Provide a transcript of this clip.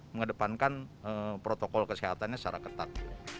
mengedepankan protokol kesehatannya secara ketat